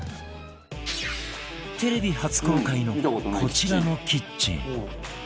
テレビ初公開のこちらのキッチン